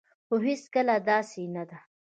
خو هيڅکله داسي نه ده